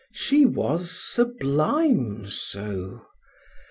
She was sublime so.